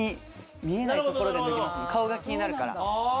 顔が気になるから。